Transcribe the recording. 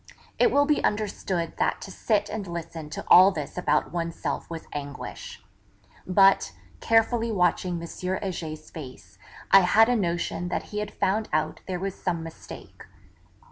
It will be understood that to sit and listen to all this about oneself was anguish. But, carefully watching M. Heger's face, I had a notion that he had found out there was some mistake.